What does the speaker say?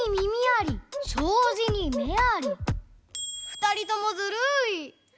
ふたりともずるい！